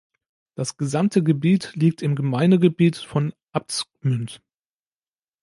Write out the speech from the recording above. Das gesamte Gebiet liegt im Gemeindegebiet von Abtsgmünd.